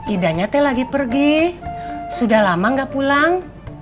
idahnya lagi pergi sudah lama nggak pulang